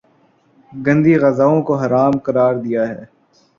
گندی غذاؤں کو حرام قراردیا ہے